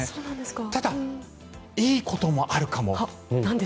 ただ、いいこともあるかも。